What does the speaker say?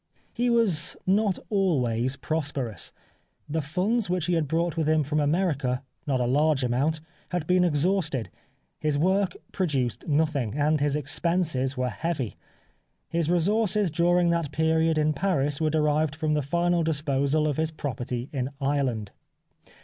He was not always prosperous. The funds which he had brought with him from America, not a large amount, had been exhausted ; his work produced nothing, and his expenses were heavy. His resources during that period in Paris were derived from the final disposal of his property in Ireland.